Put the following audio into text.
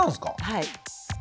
はい。